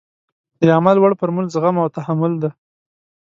د عمل وړ فورمول زغم او تحمل دی.